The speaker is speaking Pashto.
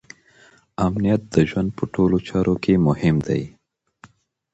امنیت د ژوند په ټولو چارو کې مهم دی.